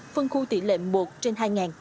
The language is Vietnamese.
phân khu tỷ lệ một trên hai